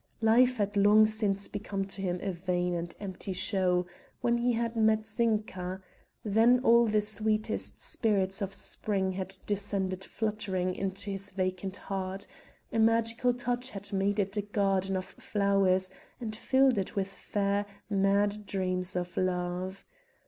Life had long since become to him a vain and empty show, when he had met Zinka.... Then all the sweetest spirits of spring had descended fluttering into his vacant heart; a magical touch had made it a garden of flowers and filled it with fair, mad dreams of love.